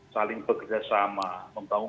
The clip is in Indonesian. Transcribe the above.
saling bekerjasama membangun